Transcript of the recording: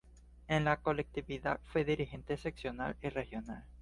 En la colectividad fue dirigente seccional y regional.